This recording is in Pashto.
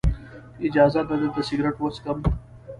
اجازه ده دلته سګرټ وڅکم.